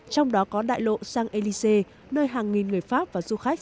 trong đó có đại lộ saint élysée nơi hàng nghìn người pháp và du khách